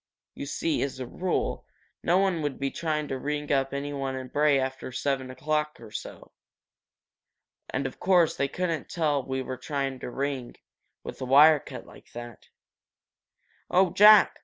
You see, as a rule, no one would try to ring up anyone in Bray after seven o'clock or so. And of course, they couldn't tell we were trying to ring, with the wire cut like that." "Oh, Jack!"